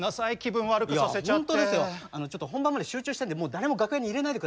本番まで集中したいんでもう誰も楽屋に入れないで下さい。